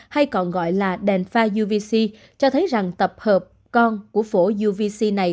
hay còn gọi là đèn pha uvc cho thấy rằng tập hợp con của phổ uvc này